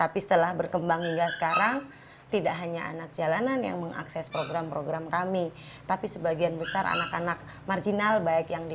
pertanyaan terakhir bagaimana penyelesaian yayasan ini